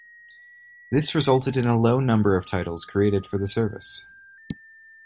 This resulted in a low number of titles created for the service.